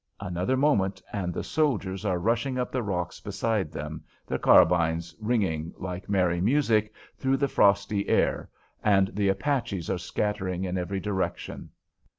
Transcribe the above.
Another moment, and the soldiers are rushing up the rocks beside them, their carbines ringing like merry music through the frosty air, and the Apaches are scattering in every direction.